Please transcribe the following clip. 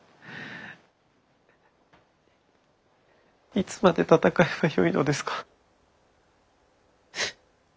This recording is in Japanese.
いつまで戦えばよいのですか。